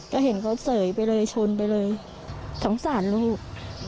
ก็เห็นเขาเสยไปเลยชนไปเลยสงสารลูก